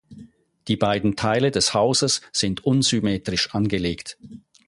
Die beiden Teile des Hauses sind unsymmetrisch angelegt.